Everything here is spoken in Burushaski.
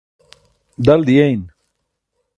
dal diyein